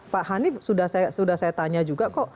pak hani sudah saya tanya juga